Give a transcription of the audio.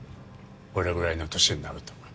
俺らぐらいの年になると。